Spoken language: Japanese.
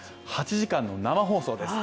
８時間の生放送です。